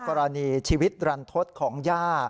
กรณีชีวิตรันทศของย่า